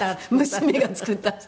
娘が作った。